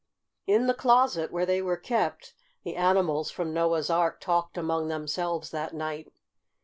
In the closet, where they were kept, the animals from Noah's Ark talked among themselves that night.